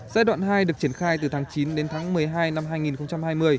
giai đoạn hai được triển khai từ tháng chín đến tháng một mươi hai năm hai nghìn hai mươi